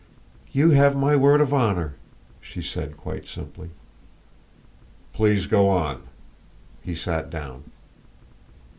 "You have my word of honor," she said quite simply. "Please go on." He sat down.